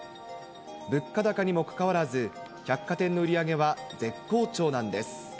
物価高にもかかわらず、百貨店の売り上げは絶好調なんです。